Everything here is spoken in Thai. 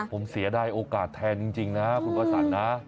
ผมเสียได้โอกาสแทนจริงนะคุณภาษานะ